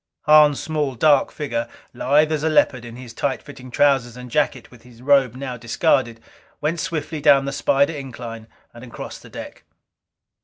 Hahn's small dark figure, lithe as a leopard in his tight fitting trousers and jacket with his robe now discarded, went swiftly down the spider incline and across the deck.